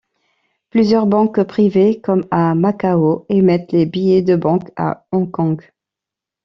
Plusieurs banques privées, comme à Macao, émettent les billets de banque à Hong Kong.